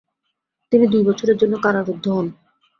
তিনি দুইবছরের জন্য কারারুদ্ধ হন।